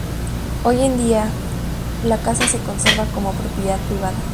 Hoy en día, la casa se conserva como propiedad privada.